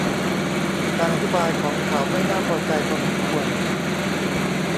การอธิบายของเขาไม่น่าพอใจพอสมควร